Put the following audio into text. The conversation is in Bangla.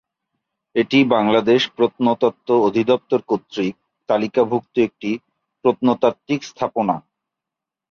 এটি বাংলাদেশ প্রত্নতত্ত্ব অধিদপ্তর কর্তৃক তালিকাভুক্ত একটি প্রত্নতাত্ত্বিক স্থাপনা।